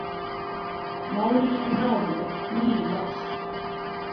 Mauriņa un Raudive – mīļi blakus.